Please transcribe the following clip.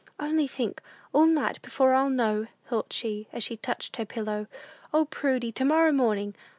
"Only think; all night before I'll know," thought she, as she touched her pillow. "O, Prudy, to morrow morning!